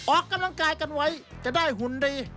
ออกกำลังกายกันไว้จะได้หุ่นดี